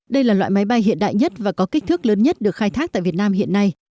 đây là loại máy bay hiện đại nhất và có kích thước lớn nhất được khai thác tại việt nam hiện nay